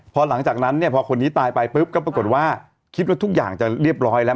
พอหลังจากนั้นเนี่ยพอคนนี้ตายไปปุ๊บก็ปรากฏว่าคิดว่าทุกอย่างจะเรียบร้อยแล้ว